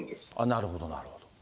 なるほど、なるほど。